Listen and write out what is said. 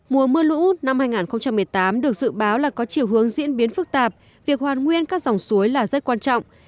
mùa mưa lũ năm hai nghìn một mươi tám được dự báo là có chiều hướng diễn biến phức tạp việc hoàn nguyên các dòng suối là rất quan trọng